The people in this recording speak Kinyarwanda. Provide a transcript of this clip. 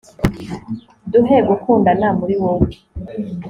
duhe gukundana muri wowe